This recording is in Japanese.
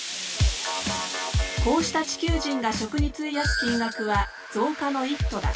こうした地球人が食に費やす金額は増加の一途だ。